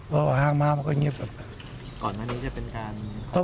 ห้างมาห้างมันก็เงียบแบบนั้น